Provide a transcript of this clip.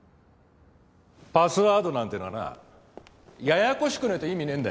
パスワードなんてのはなややこしくねえと意味ねえんだよ。